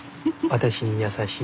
私に優しい？